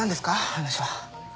話は。